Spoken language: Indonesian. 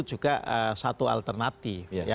juga satu alternatif